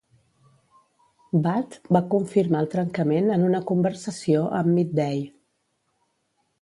Bhatt va confirmar el trencament en una conversació amb "Mid-Day".